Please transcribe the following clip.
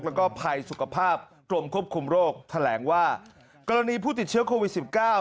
แล้วก็ภัยสุขภาพกรมควบคุมโรคแถลงว่ากรณีผู้ติดเชื้อโควิดสิบเก้า